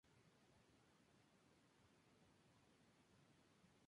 Las ventas actuales son dos millones.